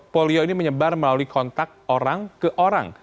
polio ini menyebar melalui kontak orang ke orang